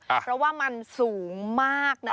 เพราะว่ามันสูงมากนะ